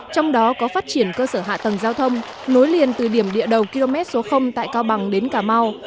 trong đó có phát triển cơ sở hạ tầng giao thông nối liền từ điểm địa đầu km số tại cao bằng đến cà mau